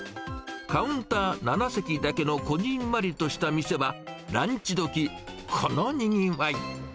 カウンター７席だけのこじんまりとした店は、ランチどき、このにぎわい。